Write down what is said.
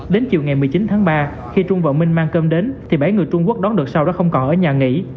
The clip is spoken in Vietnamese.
đến chiều ngày một mươi chín tháng ba khi trung vợ minh mang cơm đến thì bảy người trung quốc đón được sau đó không còn ở nhà nghỉ